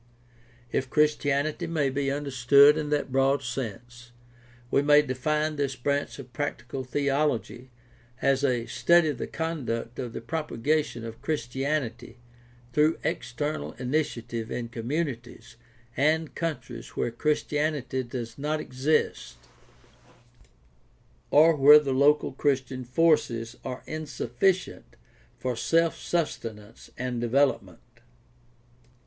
If Christianity may be understood in that broad sense, we may define this branch of practical theology as a study of the conduct of the propaga tion of Christianity through external initiative in communities and countries where Christianity does not exist or where the 626 GUIDE TO STUDY OF CHRISTIAN RELIGION local Christian forces are insufficient for selj sustenance and development.